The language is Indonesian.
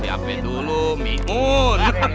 siapin dulu mikun